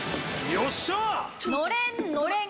よっしゃ！